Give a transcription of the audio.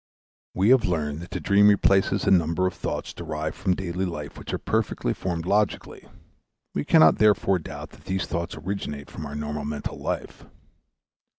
We have learned that the dream replaces a number of thoughts derived from daily life which are perfectly formed logically. We cannot therefore doubt that these thoughts originate from our normal mental life.